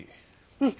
うん。